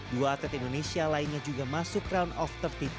dua atlet indonesia lainnya juga masuk round of tiga puluh dua